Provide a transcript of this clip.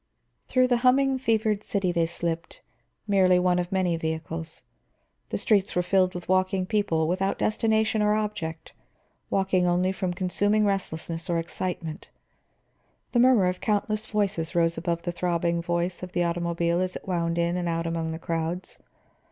Through the humming, fevered city they slipped, merely one of many vehicles. The streets were filled with walking people, without destination or object, walking only from consuming restlessness or excitement. The murmur of countless voices rose above the throbbing voice of the automobile as it wound in and out among the crowds.